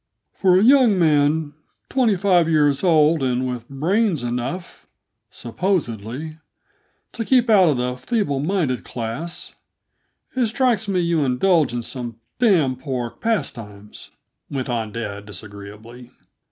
"For a young man twenty five years old and with brains enough supposedly to keep out of the feeble minded class, it strikes me you indulge in some damned poor pastimes," went on dad disagreeably.